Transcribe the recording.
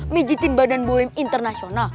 mijitin badan boim internasional